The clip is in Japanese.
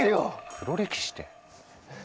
黒歴史って。